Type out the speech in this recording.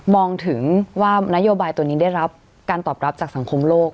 ถึงว่านโยบายตัวนี้ได้รับการตอบรับจากสังคมโลก